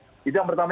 itu yang pertama